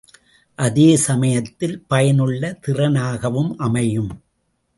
அதே சமயத்தில் பயனுள்ள திறனாகவும் அமையும்.